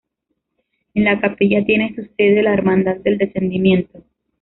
En la Capilla tiene su sede la Hermandad del Descendimiento.